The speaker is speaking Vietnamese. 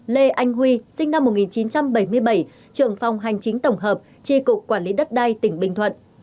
năm lê anh huy sinh năm một nghìn chín trăm bảy mươi bảy trưởng phòng hành chính tổng hợp tri cục quản lý đất đai tỉnh bình thuận